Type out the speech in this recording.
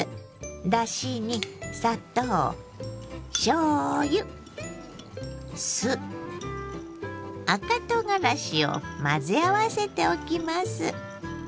だしに砂糖しょうゆ酢赤とうがらしを混ぜ合わせておきます。